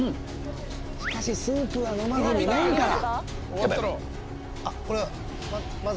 しかしスープは飲まずに麺から。